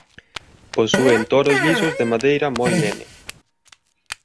Posúen toros lisos de madeira moi lene.